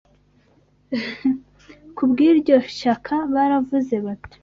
Kubw’iryo shyaka, baravuze bati,